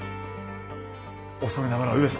恐れながら上様。